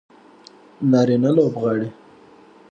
نارینه لوبغاړي